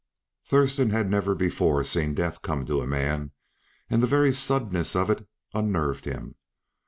Thurston had never before seen death come to a man, and the very suddenness of it unnerved him.